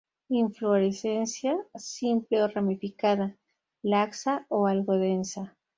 Inflorescencia simple o ramificada, laxa o algo densa.